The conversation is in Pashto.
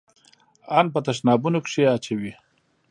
ان په تشنابونو کښې يې اچوي.